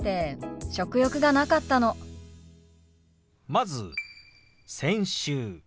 まず「先週」。